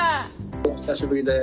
☎お久しぶりです。